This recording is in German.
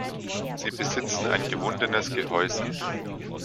Sie besitzen ein gewundenes Gehäuse.